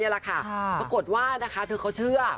ปรากฏว่าเธอเขาเชื่อ